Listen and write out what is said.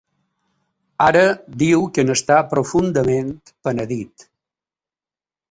Ara diu que n’està ‘profundament penedit’.